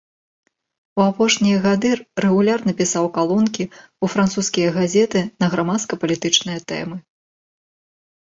У апошнія гады рэгулярна пісаў калонкі ў французскія газеты на грамадска-палітычныя тэмы.